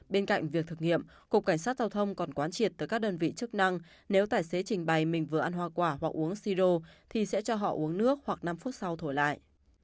bên cạnh việc thực nghiệm cục cảnh sát giao thông còn quán triệt tới các đơn vị chức năng nếu tài xế trình bày mình vừa ăn hoa quả hoặc uống siro thì sẽ cho họ uống nước hoặc năm phút sau thổi lại